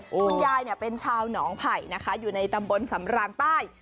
คุณยายเนี่ยเป็นชาวหนองไผ่นะคะอยู่ในตำบลสำรานใต้